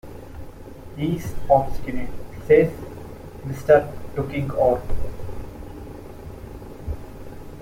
"He is obstinate," says Mr. Tulkinghorn.